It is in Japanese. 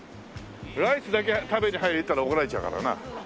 ライスだけ食べに入ったら怒られちゃうからな。